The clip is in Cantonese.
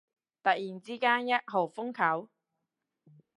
突然之間一號風球？